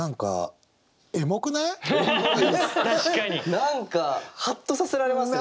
何かハッとさせられますね。